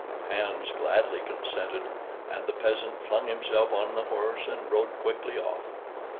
Hans gladly consented, and the peasant flung himself on the horse and rode quickly off.